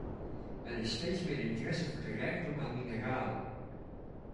Er is steeds meer interesse voor de rijkdom aan mineralen.